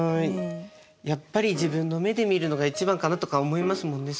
やっぱり自分の目で見るのが一番かなとか思いますもんね